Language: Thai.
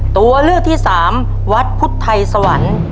ตัวเลือกที่สามวัดพุทธไทยสวรรค์